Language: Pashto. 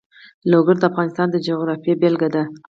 لوگر د افغانستان د جغرافیې بېلګه ده.